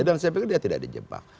dan saya pikir dia tidak di jebak